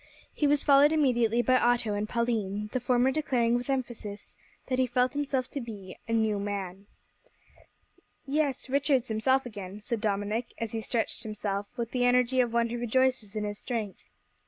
He was followed immediately by Otto and Pauline, the former declaring with emphasis that he felt himself to be a "new man." "Yes, Richard's himself again," said Dominick, as he stretched himself with the energy of one who rejoices in his strength.